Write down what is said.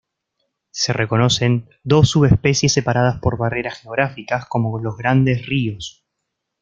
Se reconocen dos subespecies separadas por barreras geográficas como los grandes ríos.